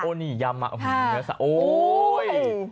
โอ้นี่ยำอ่ะโอ้ย